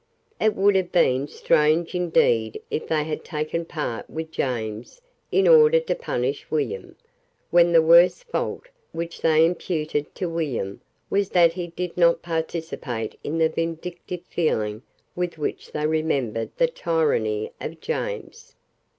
It would have been strange indeed if they had taken part with James in order to punish William, when the worst fault which they imputed to William was that he did not participate in the vindictive feeling with which they remembered the tyranny of James.